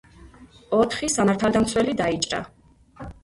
ოთხი სამართალდამცველი დაიჭრა.